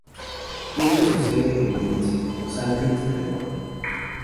Tiene su sede en Venice, Los Ángeles, California.